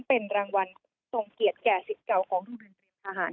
เป็นรางวัลโอเกียจแก่๑๐เก่าของรุมเรียนทหาร